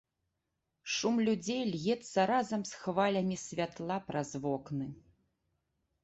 Шум людзей льецца разам з хвалямі святла праз вокны.